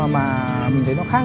mà mình thấy nó khác